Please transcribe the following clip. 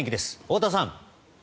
太田さん。